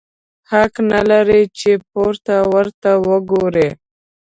حق نه لرې چي پورته ورته وګورې!